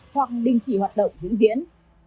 hoặc đình chỉ hoạt động dữ biến